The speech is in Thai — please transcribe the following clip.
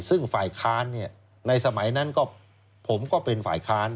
ซึ่งฝ่ายค้านในสมัยนั้นผมก็เป็นฝ่ายค้าน